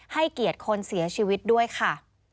ให้เกียรติคนเสียชีวิตด้วยค่ะ